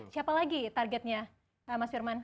siapa lagi targetnya mas firman